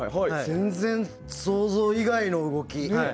全然、想像以外の動き。